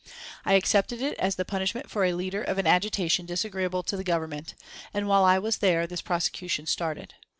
I accepted it as the punishment for a leader of an agitation disagreeable to the Government; and while I was there this prosecution started.